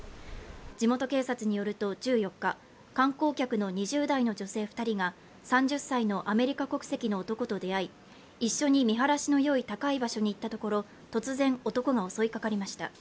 地元警察によると１４日、観光客の２０代の女性２人が３０歳のアメリカ国籍の男と出会い、一緒に見晴らしのよい高い場所にいったところ、突然、男が襲いかかりました。